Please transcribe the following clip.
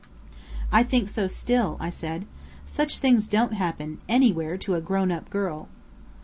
"I think so still," I said. "Such things don't happen anywhere, to a grown up girl."